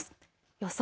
予想